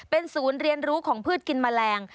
เป็นศูนย์เรียนรู้ของพืชกินแมลง